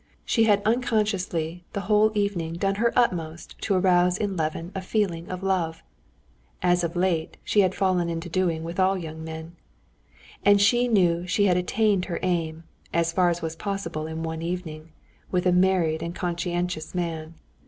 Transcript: She had unconsciously the whole evening done her utmost to arouse in Levin a feeling of love—as of late she had fallen into doing with all young men—and she knew she had attained her aim, as far as was possible in one evening, with a married and conscientious man.